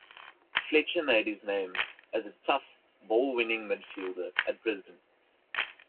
Fletcher made his name as a tough, ball-winning midfielder at Brisbane.